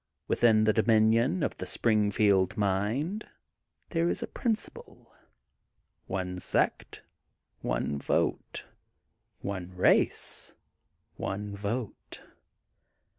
Within the dominion of the Springfield mind, there is a prin ciple: — one sect, one vote: one race, one vote.